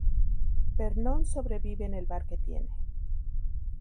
Vernon sobrevive en el bar que tiene.